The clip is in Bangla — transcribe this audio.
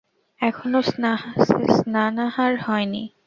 এখনো স্নানাহার হয় নি।